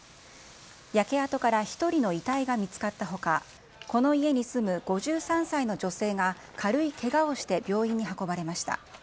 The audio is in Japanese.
焼け跡から１人の遺体が見つかったほか、この家に住む５３歳の女性が軽いけがをして、病院に運ばれました。